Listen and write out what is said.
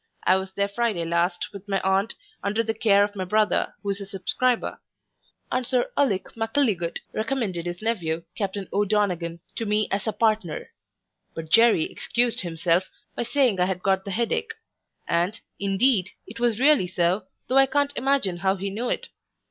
I was there Friday last with my aunt, under the care of my brother, who is a subscriber; and Sir Ulic Mackilligut recommended his nephew, captain O Donaghan, to me as a partner; but Jery excused himself, by saying I had got the head ach; and, indeed, it was really so, though I can't imagine how he knew it.